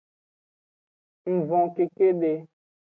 Ng von kekede.